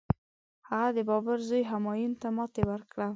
هغه د بابر زوی همایون ته ماتي ورکړه.